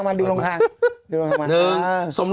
แป้งที่แล้ว